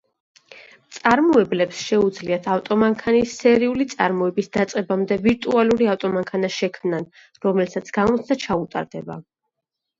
მწარმოებლებს შეუძლიათ ავტომანქანის სერიული წარმოების დაწყებამდე ვირტუალური ავტომანქანა შექმნან, რომელსაც გამოცდა ჩაუტარდება.